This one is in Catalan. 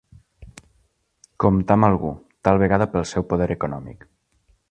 Comptar amb algú, tal vegada pel seu poder econòmic.